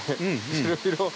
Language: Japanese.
いろいろ。